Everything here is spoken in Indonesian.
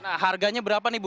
nah harganya berapa nih bu